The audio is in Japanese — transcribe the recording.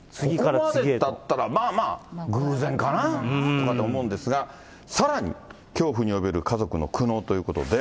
ここまでだったら、まあまあ、偶然かなとかって思うんですが、さらに、恐怖におびえる家族の苦悩ということで。